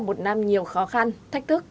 một năm nhiều khó khăn thách thức